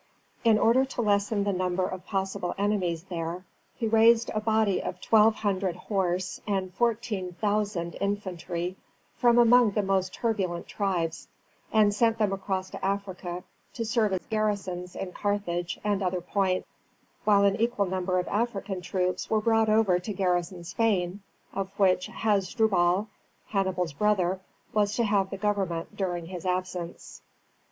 In order to lessen the number of possible enemies there he raised a body of twelve hundred horse and fourteen thousand infantry from among the most turbulent tribes, and sent them across to Africa to serve as garrisons in Carthage and other points, while an equal number of African troops were brought over to garrison Spain, of which Hasdrubal, Hannibal's brother, was to have the government during his absence.